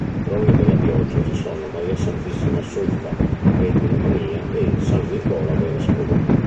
Patroni della diocesi sono Maria Santissima Assunta e di Romania e san Nicola vescovo.